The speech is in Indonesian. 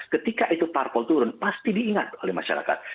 ketika itu parpol turun pasti diingat oleh masyarakat